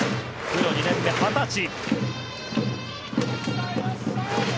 プロ２年目、２０歳。